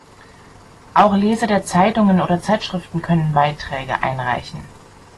Auch Leser der Zeitungen oder Zeitschriften können Beiträge einreichen.